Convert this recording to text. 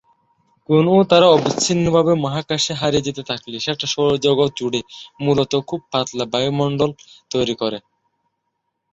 কোনও তারা অবিচ্ছিন্নভাবে মহাকাশে হারিয়ে যেতে থাকলে সেটা সৌরজগৎ জুড়ে মূলত খুব পাতলা বায়ুমণ্ডল তৈরি করে।